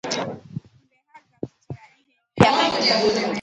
Mgbe ha gadụchaara ihe ndị a